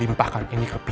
teman taiman ini siapa